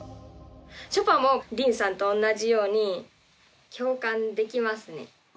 ちょぱもりんさんと同じように共感できますね。